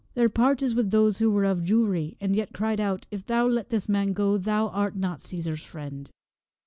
Their part is with those who were of Jewry, and yet cried out, ' If thou let this man go thou art not Caesar's friend.'